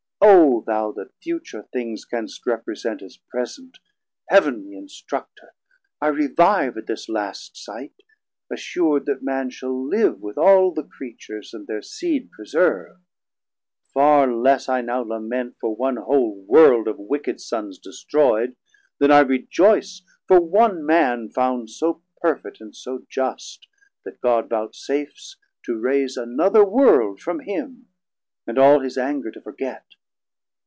O thou that future things canst represent As present, Heav'nly instructer, I revive At this last sight, assur'd that Man shall live With all the Creatures, and thir seed preserve. Farr less I now lament for one whole World 870 Of wicked Sons destroyd, then I rejoyce For one Man found so perfet and so just, That God voutsafes to raise another World From him, and all his anger to forget.